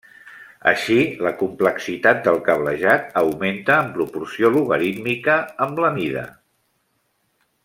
Així, la complexitat del cablejat augmenta en proporció logarítmica amb la mida.